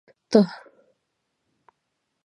ته